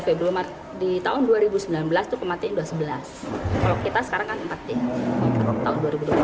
kalau kita sekarang kan kematian tahun dua ribu dua puluh